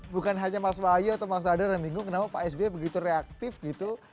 bukan hanya mas wahyu atau mas radar yang bingung kenapa pak sby begitu reaktif gitu